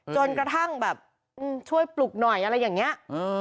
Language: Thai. จนกระทั่งแบบช่วยปลุกหน่อยอะไรอย่างนี้